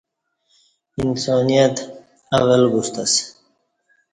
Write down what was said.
انسانیت اول بوستہ اسہ